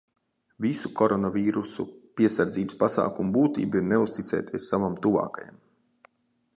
Visu koronavīrusa piesardzības pasākumu būtība ir neuzticēties savam tuvākajam.